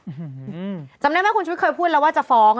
จำได้ไหมคราวนี้คุณชูวิทย์ก็ค่อยพูดแล้วว่าจะฟ้อง